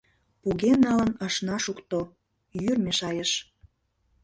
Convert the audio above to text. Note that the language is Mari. — Поген налын ышна шукто, йӱр мешайыш.